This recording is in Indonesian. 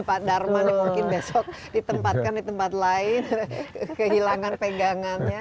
pak darman yang mungkin besok ditempatkan di tempat lain kehilangan pegangannya